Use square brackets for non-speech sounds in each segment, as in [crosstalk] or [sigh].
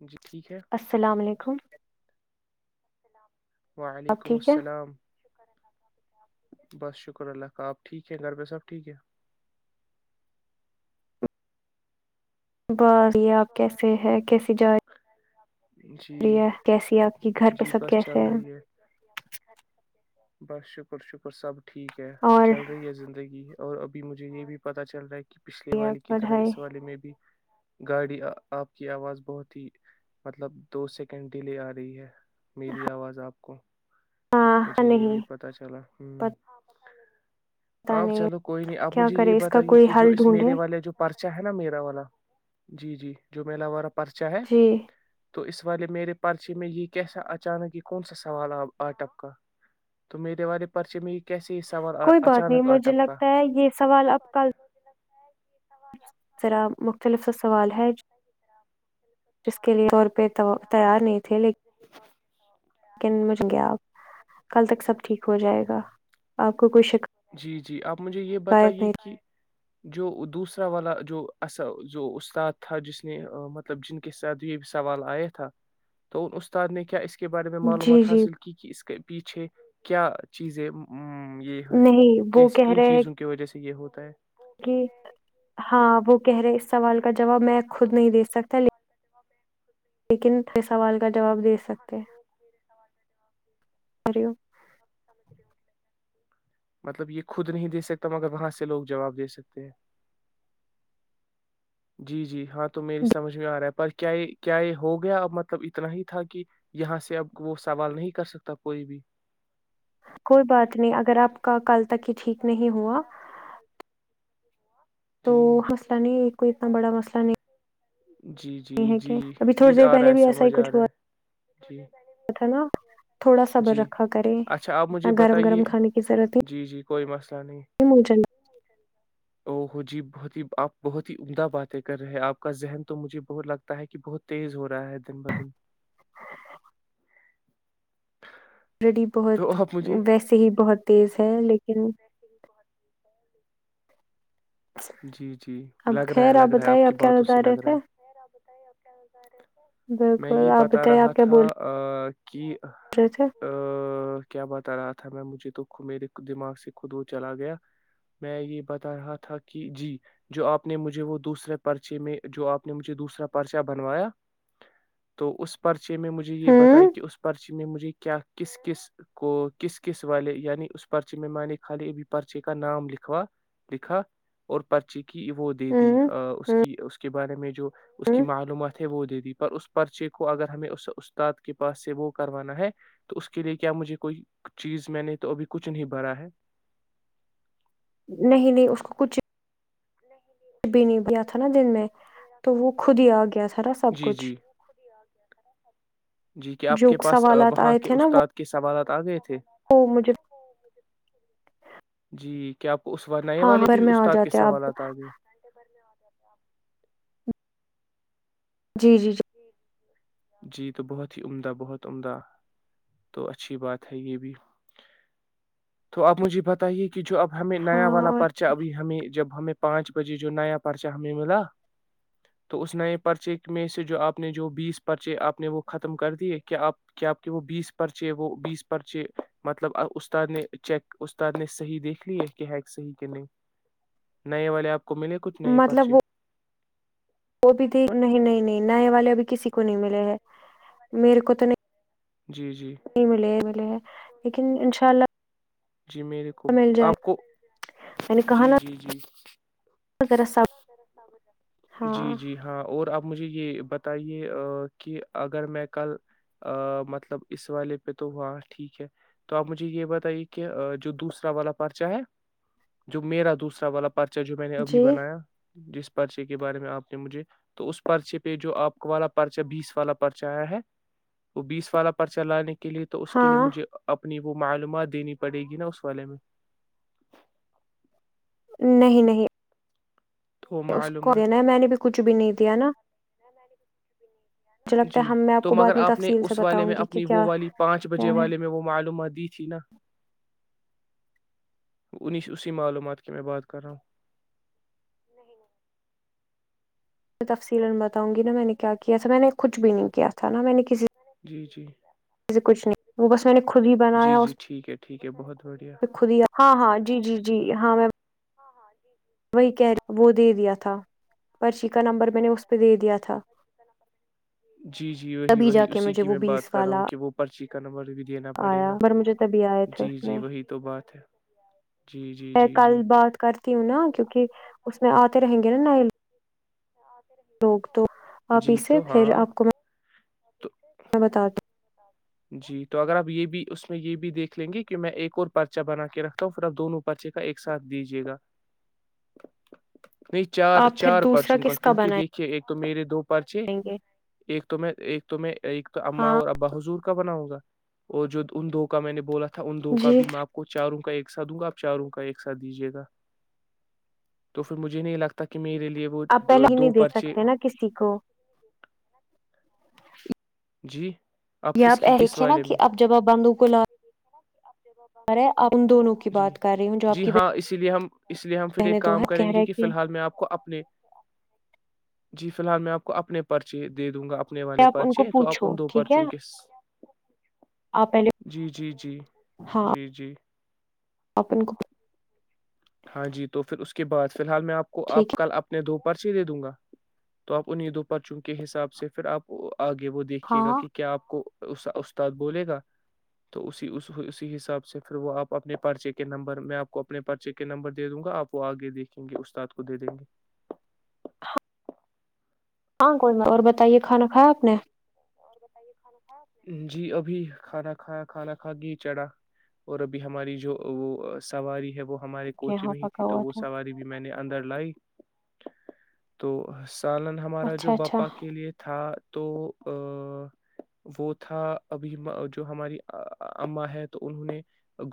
جی ٹھیک ہے السلام علیکم آپ وعلیکم ٹھیک ہے السلام بس شکر اللہ کا آپ ٹھیک ہیں گھر پہ سب ٹھیک ہے بس آپ کیسے ہے کیس س جائے جی بیا کیسی ہے آپ کی گھر پہ جی سب بس چل کیسے ہیں رہی ہے بس شکر شکر سب ٹھیک ہے اور چل رہی ہے زندگی اور ابھی مجھے یہ بھی پتتا چل رہا ہے کہ کہ پچھلے یہ والے کی طرح پڑھائی اس والے میں بھی گاڑی آپ کی آواز بہت مطلب دو سیکنڈ ہی لے آ رہی ہے میری آواز آپ کو ہاں مجھے یہ بھی نہیں پت چلا ہوں پتا ہاں نہیں چلو کوئی نہیں آپ کیا مجھے یہ کرے اس کا بتائیے کوئی کہ جو حل اس میرے ڈھونڈے والے جو پرچا ہے نا میرا والا جی جی جو ملااوور اپ پرچا ہے جی تو اس والے میرے پرچے میں یہ کیسا اچانک یہ کون سا سوال آپ آٹ اپ تو میرے والے پرچے میں کیسے یہ سوال آ- کوئی بات نہیں اچانک آ مجھے ٹپکا لگتا ہے یہ سوال اب کل ہ جی س [unintelligible] ذرا مختلف سوال ہے جس کے لیے طور پہ تیار نہیں تھے ل کن مج گیا آپ کل تک سب ٹھیک ہو جائے گا آپ کو کوئی جی جی آپ مجھے یہ شکایت بتائیے نہیں کہ جو دوسرا والا جو ایسا جو استاد تھا جس نے مطلب جن کے ساتھ یہ سوال آیا تھا تو ان استاد نے کیا اس کے بارے میں جی معلومات جی حاصل کی کہ اس کے پیچھے کیا چیزیں ہوں یہی ہے نہیں وہ کیسی کہہ کن رہے ہیں چیزوں کی وجہ سے یہ ہوتا تو کہ ہاں وہ کہہ رہے ہیں اس سوال کا جواب میں خود نہیں دیکھ سکتا لیکن لیکن سوال کا جواب دے سکتے اریو مطلب یہ خود نہیں دے سکتا مگر وہاں سے لوگ جواب دے سکتے ہیں جی جی ہاں تو میری سمج میں آ رہا ہے پر کیا کیا یہ ہو گیا ا مطلب اتنا ہی تھا کہ یہاں سے اب وہ سوال نہیں کر سکتا کوئی بھی کوئی بات نہیں اگر آپ کا کل ت کہ ٹھیک نہیں ہوا تو تو جی حنصلہ نہیں کوئی اتنا بڑا مسئلہ نہیں جی جی ہے جی کہ ابھی جی تھوڑی دیر آ رہا پہلے ہے بھی ایسا ہی سمجھ آ کچھ رہا ہوا ہے جی تھا نا تھوڑا سا بر جی رکھا کرے اچھا آپ اتنا مجھے گرم گرم بتائیے کھانے کی ضرورت نہیں جی جی کوئی مسئلہ نہیں مٹن او ہو جی بہت ہی آپ بہت ہی عمدہ باتیں کر رہے آپ کا ذہن تو مجھے بہت لگتا ہے کہ بہت تیز ہو رہا ہے دن ب دن آریڈی بہت تو آپ مجھے ویسے ہی بہت تیز ہے لیکن کہوں جی جی اب لگ رہا ہے خیر لگ رہا ہے آپ بتائیے کی کیا بات اس بتا سے رہے لگ رہا تھے ہے بتائیے آپ کیا میں بالکل یہ آپ بتا بتائیے رہا آپ کیا تھا بول ا کہ رہے تھے ا کیا بتا رہا تھا میں مجھے د میرے دماغ سے خود وہ چلا گیا میں یہ بتا رہا تھا کہ کہ جی جو آپ نے مجھے وہ دوسرے پرچے میں جو آپ نے مجھے دوسرا پرچا بنوایا تو اس پرچ چے میں مجھے یہ بتایا ہوں کہ اس پ پرچی میں مجھے کیا کس کس کو کس کس والے یعنی اس پرچے میں میں نے خالی ابھی پرچے کا نام لکھوا لکھا اور پرچی کہ وہ دے دی اس کے ہ کہ اس کے بارے میں جو اس ہ کی معلومات ہے وہ دے دی پر اس پرچے کو اگر ہمیں اس استاد کے پاس سے وہ کروانا ہے تو اس کے لیے کیا مجھے کوئی چیز میں نے تو ابھی کچھ نہیں بھرا ہے نہیں نہیں اس کو کچھ ب نہیں بھییا تھا نا دن میں تو وہ خود ہی آ گیا تھا نا سب جی کچھ جی جی کہ آپ جو سوالات آئے تھے نا وہ آگ ا مجھے جی کیا اس نئے ہاں والے خبر بھی میں آ استاد کے جاتے سوال آپ آتا آگے اچا جی جی جی جی تو بہت ہی عمدہ بہت عمدہ تو اچھی بات ہے یہ بھی تو آپ مجھے بتائیے کہ کہ جو اب ہمیں نیا ہاں والا اور پرچا ابھی ہمیں جب ہمیں پانچ بجے جو نیا پرچا ہمیں ملا تو اس نئے پرچے میں سے جو آپ نے جو بیس پرچے آپ نے وہ ختم کر دیے کیا آپ کیا آپ کے وہ بیس پرچے وہ بیس پرچے مطلب استاد نے چیک استاد نے صحیح دیکھ لی ہے کہ ہ صحیح کہ نہیں نئے والے آپ ملے کچھ نئے مطلب پرچی وہ وہ بھی دیک نہیں نہیں نہیں نیا والے ابھی کسی کو نہیں ملے ہے میرے کو تو نہیں جی جی نہیں ملے ملے لیکن انشاء اللہ جی میرے کو مل جائے آپ گا۔ کو میں نے کہا جی نا جی جی ذرا سب جی ہاں جی ہاں اور آپ آ مجھے یہ بتائیے کہ اگر میں کل مطلب اس والے پہ تو ہاں ٹھیک ہے تو آپ مجھے یہ بتائیے کہ جو دوسرا والا پرچا ہے جو میرا دوسرا والا پ پرچا جو میں نے ابھی جی بنایا جس پرچے کے بارے میں آپ نے مجھے تو اس پرچے پہ جو آپ والا پرچا بیس والا پرچا آیا ہے وہ بیس والا پرچا لانے کے کے لیے تو اس کے لیے ہاں مجھے اپب اپنی وہ معلومات دینی پڑے گی نا اس والے میں نہیں نہیں تو اس کو د معلومات نا ہے میں نے بھی کچھ بھی نہیں دیا نا مجھے لگتا جی ہے ہم میں تو کو مگر بعد میں آپ نے تفصیل سے اس والے بتاؤں میں گی کہ اپنی وہ کیا والی پانچ کیا بجے ہے والے میں وہ معلومات دی تھی نا انی اسی معلومات کی میں بات کر رہا ہوں میں تفصیلن بتاؤں گی نا میں نک کیا کیا تھا میں نے کچھ بھی نہیں کیا تھا تھا نا میں نے کسی جی جی [unintelligible] سے کچھ نہیں وہ بس [unintelligible] میں نے ک ہی جی بنایا جی اس ٹھیک ہے ٹھیک ہے بہت بڑھیا پ ہاں ہاں جی جی جی ہاں میں وہی کہ وہ دے دیا تھا پرچی کا نمبر میں نے اس پہ دے دیا تھا جی جی وہی تبھی وہی جا کے اسی مجھے کی وہ میں بات بیس کر رہا ہوں والا کہ وہ پرچی کا نمبر بھی دینا پڑے آیا گا پر مجھے تبھی آئے تھے جی اس جی میں وہی تو بات ہے جی جی میں جی کل جی بات کرتی ہوں نا کیونکہ اس میں آتے رہیں گے نا نئےوگ لوگ تو آپ جی اسے تو پھر ہاں آپ کو [unintelligible] تو میں بت دوں [unintelligible] جی تو اگر آپ یہ بھی اس میں یہ بھی دیکھ لیں گے کہ میں ایک اور پرچہ بنا کے رکھتا ہوں پھر آپ دونوں پرچے کا ایک ساتھ دیجیے گا نہیں ہوں چار آپ پھر چار دوسرا پرچوں کا کس کیونکہ بنائیں دیکھیے ایک تو میرے دو پرچے گے ایک تو میں ایک تو میں ایک تو اماں ہاں اور ابا حضور کا بنا ہوگا اور جو ان دو کا میں نے بولا تھا تھا ان دو کا جی بھی میںاں آپ کو چاروں کا ایک سھ دوں گا آپ چاروں کا ایک ساتھ دیجیے گا تو پھر مجھے نہیں لگتا کہ میرے لیے وہ آپ دو پہلے ہی نہیں دو دے پرچے سکتے نا کسی کو جی کس آپ کی کس دیکھے نا والے کہ میں اب جب آپ باندوں کو لا رہے ہیں آپ ان دونوں کی جی بات کر رہی ہوں جو آپ جی کی ہاں اسی لیے ہم اس لیے ہم پھر بہنیں ایک دو کام ہیں کریں کہہ گے رہے کہ فی الحال میں آپ کو اپنے جی فی الحال میں آپ کو اپنے پرچے دے دوں گا اپنے والے آپ ان پرچے کو ہیں تو آپ پوچھو ان دو ٹھیک ہے پرچوں کے آپ پہلے جی جی جی ت جی اپن کو ہاں جی تو پھر اس کے بعد فی الحال میں آپ کو ٹھیک اپ ہے کل اپنے دو پرچی دے دوں گا تو آپ انہیں دو پرچوں کے حساب سے پھر آپ آگے وہ دیکھیے گا ہاں کہ کیا آپ کو استاد بولے گا تو اس اسی حساب سے پھر وہ آپ اپنے پرچے کے نمبر میں آپ کو اپنے پرچے کے کے نمبر دے دوں گا آپ وہ آگے دیکھیں گے استاد کو دے دیں گے ہاں کوئی اور بتائیے کھانا کھایا آپ نے جی ابھی کھانا کھ کھانا کھا گی چڑا اور ابھی ہماری جو وہ سواری ہے وہ ہمارے کوچ یہاں میں ہی پکا تھی تو ہوا وہ تھا سواری بھی میں نے اندر لائی تو سالن ہمارا جو اچھا اچھا باپا کے لیے تھا تو وہ تھا ابھی جو ہماری اماں ہے تو انہوں نے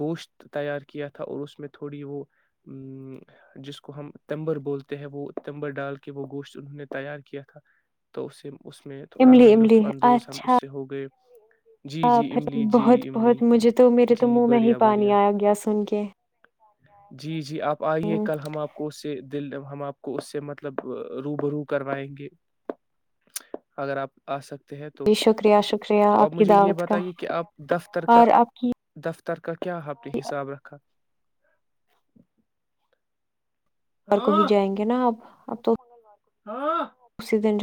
گوشت تیار کیا تھا اور اس میں تھوڑی وہ ا جس کو ہم تمبر بولتے ہیں وہ تمبر ڈال کے وہ گوشت انہوں نے تیار کیا تھا تو اسے اس میں تھوڑا ہمیں املی لط املی اچھا جی ہاں جی پھر املی بہت جی املی بہت مجھے تو میرے تو جی منہ میں ہی بڑھیا پانی بڑھیا آیا گیا سن کے جی جی جی آپ آئیے ہوں کل ہم آپ کو سے دل ہمار آپ کو اس سے مطلب رو ب رو کروائیں گے اگر آپ آ سکتے ہیں تو جی شکریہ شکریہ تو آپ کی مجھے یہ دعوت کا بتائیے کہ آپ دفتر کا اور آپ کی دفتر تر کا کیا اپنے حساب رکھا اور کو ہی جائیں گے نا آپ اب تو ہاں اسی دن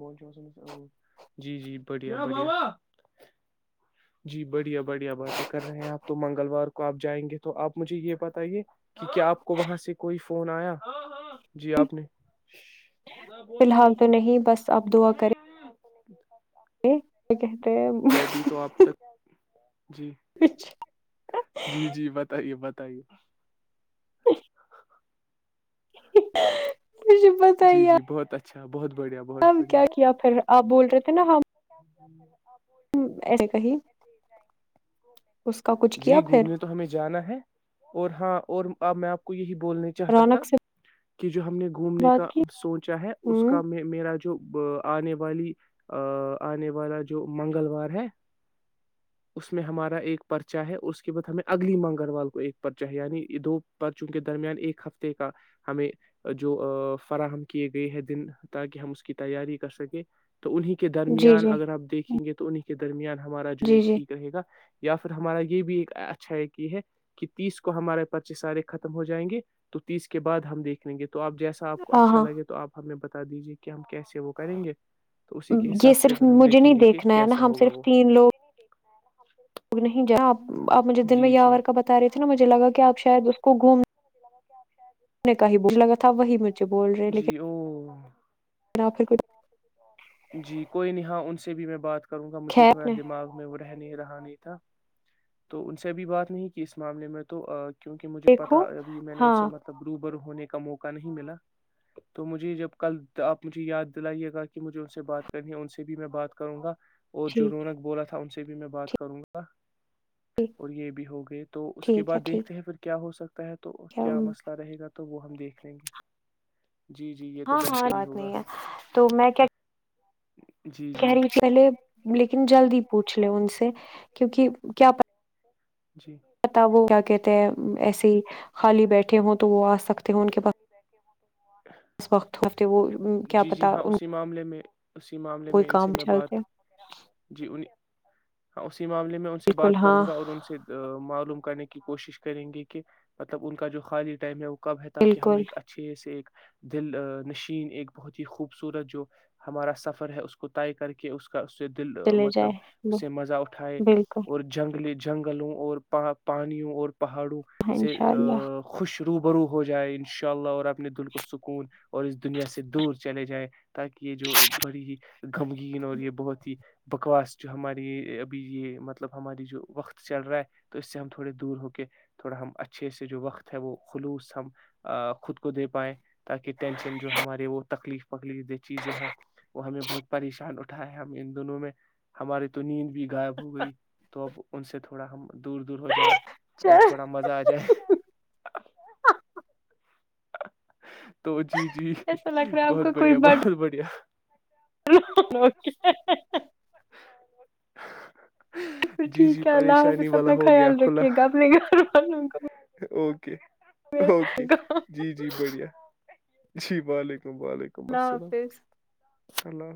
م جی جی بڑیا جی بڑھیا بڑھیا باتیں کر رہے ہیں آپ تو منگلوار کو آپ جائیں گے تو آپ مجھے یہ بتائیے کہ کیا آپ کو وہاں سے کوئی فون آیا جی آپ نے نہ فی بول الحال تو نہیں بس اپ دعا کریں ب کہتے تو آپ تک جی جی جی بتائیے بت تائی جی جی بہت اچھا اچھا اب کیا کیا پھر آپ بول رہے تھے نا ہم [unintelligible] ایسے کہی اس کا [unintelligible] کچھ کیا جی پھر گھومنے تو ہمیں جانا ہے اور ہاں اور میں آپ کو یہی بولنا چاہتا تھا رونق سے کہ جو ہم نے گھومنے کا بات کی سوچا ہے اس کا ہوں میں میرا جو آنے والی آ آنے والا جو منگلوار ہے اس میں ہمارا ایک پرچا ہے اس کے بعد ہمیں اگلی منگلوار کو ایک پرچا ہے یعنی دو پرچوں کے درمیان ایک ہفتے کا ہمیں جو فراہم کیے گئے ہے دن تاکہ ہم اس کی تیاری کر سکیں تو انیں کے جی درمیان جی اگر آپ دیکھیں گے تو انیں کے درمیان ہمارا جو یہ جی جی ٹھیک رہے گا یا پھر ہمارا یہ بھی ایک اچھا ایک یہ ہے کہ تیس کو ہمارے پرچے سارے ختم ہو جائیں گے تو تیس کے بعد ہم دیکھ لیں گے تو آپ جیسا آ کو ہاں اچھا ہاں لگے تو آپ ہم نے بتا بتا دیجیے کہ ہم کیسے وہ کریں گے تو اسی کے یہ حساب سے صرف پھر ہم مجھے نہیں دیکھیں گے کہ دیکھنا ہے نا کیسا ہم ہوگا صرف وہ تین لوگ لگ نہیں جانا آپجھے دن میں جی جی یاور کا بتا رہے تھے نا مجھے لگا کہ آپ شاید اس کو گھومنا وہی مجھے بول رہے جی لیکن وہ آپ پھر کچھ جی کوئی نہیں ہا ان سے بھی میں بات کر کروں گا مجھے تھوڑا خیر دما میں وہ رہنے رہا نہیں تھا تو ان سے ابھی بات نہیں کہ اس معاملے میں تو کیونکہ مجھے پتا دیکھو ابھی میں نے اس سے ہاں مطلب ہونے کا موقع نہیں ملا تو مجھے جب کل آپ مجھے یاد دلائیے گا کہ مجھے ان سے بات کرنی ہے ان سے بھی میں بات کروں گا اور جو ٹھیک رونک بولا تھا ان سے سے بھی میں بات کروں گا ٹھیک اور یہ بھی ہو گئے تو اس کے بعد دیکھتے ہیں پھر کیا ہو سکتا ہے تو کیا جب مسئلہ رہے تو وہ ہم دیکھ لیں گے جی جی یہ تو ہاں ہاں بہتر ہی بات ہوگا نہیں ہے تو میں کیا جی کہہ جی رہی پہلے لیکن جلد ہی پوچھ لے ان سے کیونکہ کیا پ جی پ وہ کیا کہتے ہیں ایسے ہی خالی بیٹھے ہوں تو وہ آ سکتے ہوں ان کے پاس وقت ہوتے وہ کیا جی جی پتا ہاں ان اسی معاملے میں میں اسی معاملے کوئی میں ان سے کام میں بات چلتے جی انیں ہاں اس معاملے میں ان سے بالکل بات کروں ہاں گا اور ان سے معلوم کرنے کی کوشش کریں گے کہ مطلب ان کا جو خال تمیک کب ہے تاکہ ہم بالکل ایک اچھے سے ایک دل نشین ایک بہت ہی خوبصورت جو ہمارا سفر ہے اس کو طے کر کے اس کا سے دل چلے جائے مطلب اس سے مزہ اٹھائے بالکل اور جنگلی جنگلوں اور پا پانیوں اور پہاڑوں ہاں سے انشاء اللہ خوش شروبرو ہو جائے ان شاء اللہ اور اپنے دل کو سکون اور اس دنیا سے دور چلے جائے تاکہ یہ جو بڑی ہی گغمگین اور یہ بہت ہی بکواس جو ہماری ابھی یہ مطلب ہماری جو وقت چل رہا ہے تو اس سے ہم تھوڑے دور ہو کے تھوڑا ہم اچھے سے جو وقت ہے وہ خلوص ہم خود کو دے پائیں تاکہ ٹینشن جو ہمارے وہ تکلیف پکڑ چیزیں ہیں وہ ہمیں بہت پریشان ہم ان دونوں میں ہماری تو نیند بھی غائب ہو گئی تو اب ان سے تھوڑا ہم دور دور ہو جائے اور تھوڑا مزہ آ جائے تو جی جی ایسا لگ رہا ہے آپ بہت کو کوئی بڑھیا بہت بٹن بڑھیا [inaudible] پھر جی جی ٹھیک ہے اللہ پریشانی حافظ والا اپنا ہو گیا خیال کھلا رکھیے گا اپنے گھر والوں کا اوکے اوکے اللہ جی جی بڑھیا جی بلیک وعلیکم السلام حافظ ہیلو